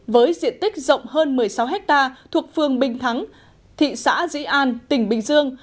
với diện tích rộng hơn một mươi sáu hectare thuộc phương bình thắng thị xã dĩ an tỉnh bình dương